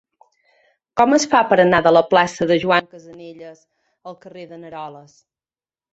Com es fa per anar de la plaça de Joan Casanelles al carrer de n'Aroles?